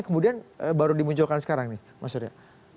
kemudian baru dimunculkan sekarang nih mas surya